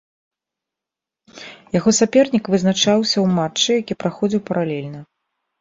Яго сапернік вызначаўся ў матчы, які праходзіў паралельна.